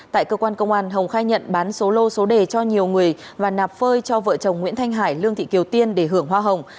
tại cơ quan công an hồng khai nhận bán số lô số đề cho nhiều người và nạp phơi cho vợ chồng nguyễn thanh hải lương thị kiều tiên để hưởng hoa hồng